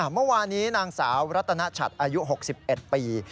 เมื่อวานี้นางสาวรัตนชัดอายุ๖๑ปี